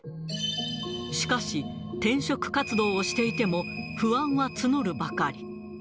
しかし、転職活動をしていても、不安は募るばかり。